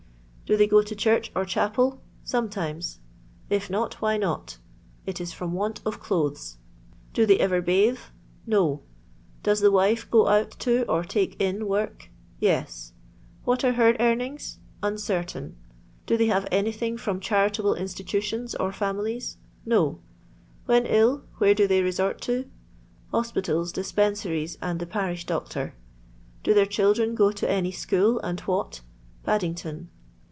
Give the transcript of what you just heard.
Do they go to church or chapel >— Sometimes. If not, why not 1 —It is firom want of clothes. Do they ever bathe 1 — No. Does the wife go out to, or take in work 1 — Yes. What are her earnings 1 — Uncertain. Do they have anything from charitable institu tions or £unilies1 — No. When ill ; where do they resort to 1 — Hospitals, dispensaries, and the parish doctor. Do their children go to any school; and what 1— Paddington.